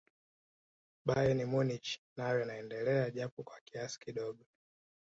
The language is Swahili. bayern munich nayo inaendea japo kwa kiasi kidogo